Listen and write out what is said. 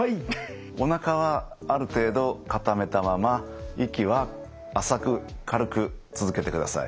おなかはある程度固めたまま息は浅く軽く続けてください。